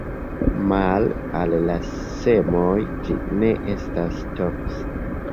Male al la semoj ĝi ne etas toksa.